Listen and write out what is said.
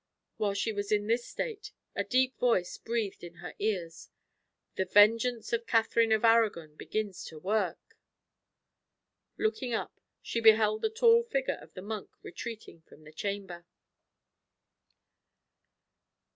While she was in this state, a deep voice breathed in her ears, "The vengeance of Catherine of Arragon begins to work!" Looking up, she beheld the tall figure of the monk retreating from the chamber.